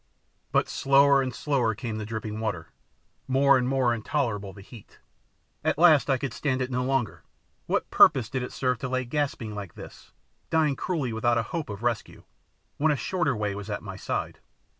But slower and slower came the dripping water, more and more intolerable the heat. At last I could stand it no longer. What purpose did it serve to lay gasping like this, dying cruelly without a hope of rescue, when a shorter way was at my side?